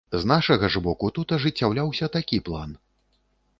З нашага ж боку тут ажыццяўляўся такі план.